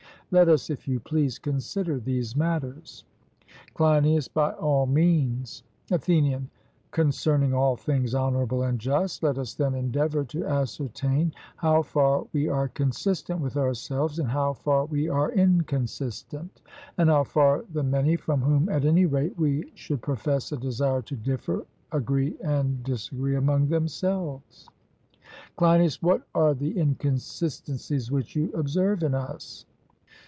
Let us, if you please, consider these matters. CLEINIAS: By all means. ATHENIAN: Concerning all things honourable and just, let us then endeavour to ascertain how far we are consistent with ourselves, and how far we are inconsistent, and how far the many, from whom at any rate we should profess a desire to differ, agree and disagree among themselves. CLEINIAS: What are the inconsistencies which you observe in us?